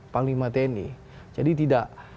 panglima tni jadi tidak